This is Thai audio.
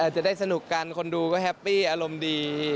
จะได้สนุกกันคนดูก็แฮปปี้อารมณ์ดี